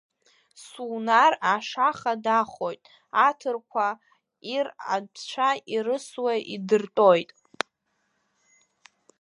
Сунар ашаха дахоит, аҭырқәа ир атәцәа ирысуа идыртәоит.